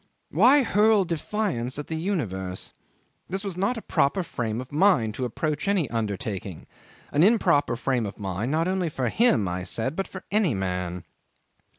Why hurl defiance at the universe? This was not a proper frame of mind to approach any undertaking; an improper frame of mind not only for him, I said, but for any man.